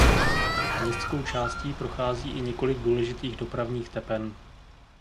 Městskou částí prochází i několik důležitých dopravních tepen.